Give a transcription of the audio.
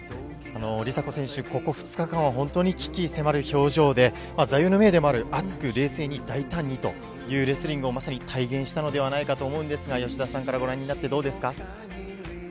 梨紗子選手、ここ２日間は本当に鬼気迫る表情で、座右の銘でもある、熱く冷静に大胆にというレスリングをまさに体現したのではないかと思うんですが、吉田さんからご覧になってどうですか？